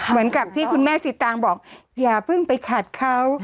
เหมือนกับที่คุณแม่สิตางบอกอย่าเพิ่งไปขัดเขา